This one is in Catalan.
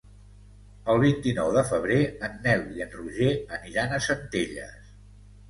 El vint-i-nou de febrer en Nel i en Roger aniran a Centelles.